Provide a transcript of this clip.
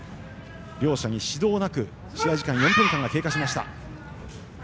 両者に指導なく試合時間４分間が経過しました。